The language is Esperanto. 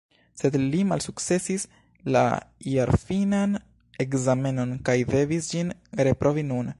Sed li malsukcesis la jarfinan ekzamenon kaj devis ĝin reprovi nun.